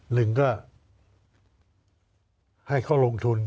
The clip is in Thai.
หนึ่งก็ให้เขาลงทุน